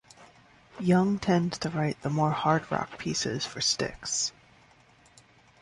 Young tends to write the more hard rock pieces for Styx.